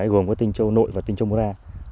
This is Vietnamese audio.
gồm có tinh châu nội và tinh châu murad